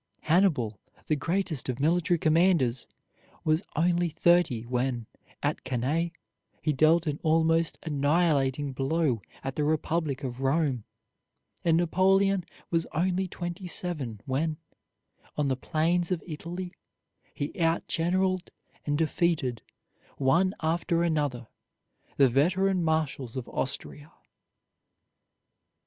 Hannibal, the greatest of military commanders, was only thirty when, at Cannae, he dealt an almost annihilating blow at the republic of Rome, and Napoleon was only twenty seven when, on the plains of Italy, he outgeneraled and defeated, one after another, the veteran marshals of Austria.